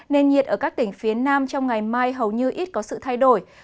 nền nhiệt ở các tỉnh phía nam trong ngày mai hầu như ít có sự thay đổi